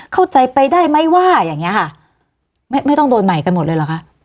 เข้าใจไปได้ไหมว่าอย่างเงี้ค่ะไม่ไม่ต้องโดนใหม่กันหมดเลยเหรอคะ